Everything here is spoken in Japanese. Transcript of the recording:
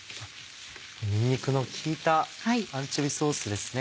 にんにくの効いたアンチョビーソースですね。